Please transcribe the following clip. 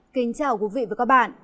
kính chào quý vị và các bạn